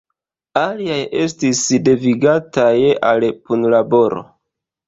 Aliaj estis devigataj al punlaboro.